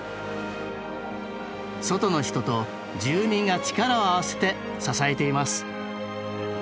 外の人と住民が力を合わせて支えています。